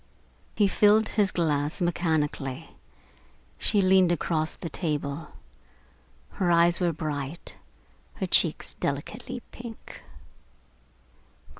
He filled his glass mechanically. She leaned across the table. Her eyes were bright, her cheeks delicately pink.